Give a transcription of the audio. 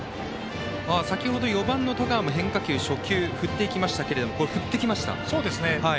先ほど４番の田川も変化球、初球振ってきましたけどここも振ってきましたね。